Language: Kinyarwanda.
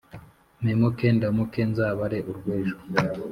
Mpemuke ndamuke nzabare urw' ejo ,